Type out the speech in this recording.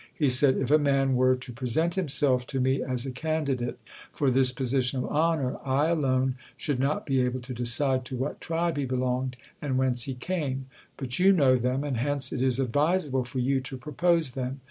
He said: "If a man were to present himself to me as a candidate for this position of honor, I alone should not be able to decide to what tribe he belonged, and whence he came; but you know them, and hence it is advisable for you to propose them.